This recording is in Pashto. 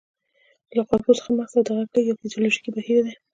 له غوږ څخه مغزو ته د غږ لیږد یو فزیولوژیکي بهیر دی